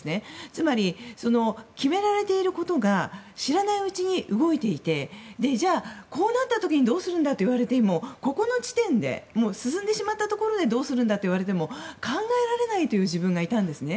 つまり、決められていることが知らないうちに動いていてじゃあ、こうなった時にどうするんだと言われてもここの時点で進んでしまったところでどうするんだといわれても考えられないという自分がいたんですね。